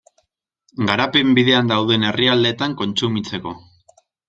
Garapen bidean dauden herrialdeetan kontsumitzeko.